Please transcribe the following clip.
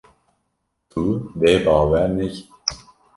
Tu dê bawer nekî.